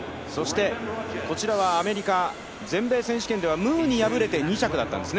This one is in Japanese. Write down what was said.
アメリカ全米選手権ではムーに敗れて２着だったんですね